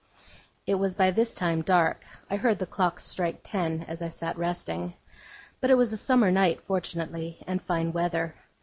It was by this time dark; I heard the clocks strike ten, as I sat resting. But it was a summer night, fortunately, and fine weather.